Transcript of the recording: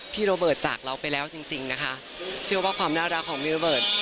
โรเบิร์ตจากเราไปแล้วจริงจริงนะคะเชื่อว่าความน่ารักของพี่โรเบิร์ต